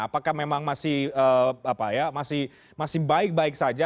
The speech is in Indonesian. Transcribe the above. apakah memang masih baik baik saja